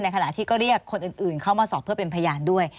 ขณะที่ก็เรียกคนอื่นเข้ามาสอบเพื่อเป็นพยานด้วย